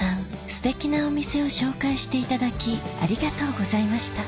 すてきなお店を紹介していただきありがとうございました